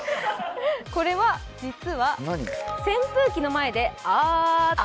これは実は扇風機の前で「あー」と。